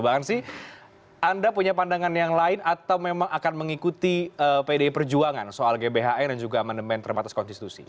bang ansy anda punya pandangan yang lain atau memang akan mengikuti pdi perjuangan soal gbhn dan juga amandemen terbatas konstitusi